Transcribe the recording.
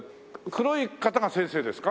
黒い方が先生ですか？